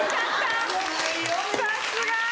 さすが！